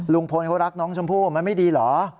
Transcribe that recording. ลุงพลเขารักน้องชมพู่มันไม่ดีเหรอ